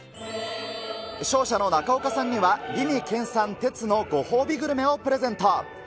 勝者の中岡さんには、美味研鑽テツのご褒美グルメをプレゼント。